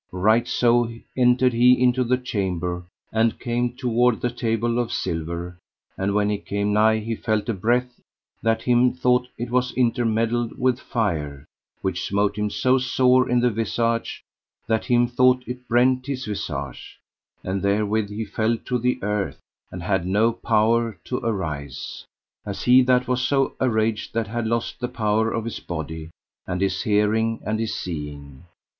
Right so entered he into the chamber, and came toward the table of silver; and when he came nigh he felt a breath, that him thought it was intermeddled with fire, which smote him so sore in the visage that him thought it brent his visage; and therewith he fell to the earth, and had no power to arise, as he that was so araged, that had lost the power of his body, and his hearing, and his seeing.